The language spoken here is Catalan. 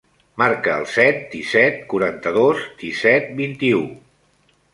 Marca el set, disset, quaranta-dos, disset, vint-i-u.